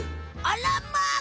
あらまあ！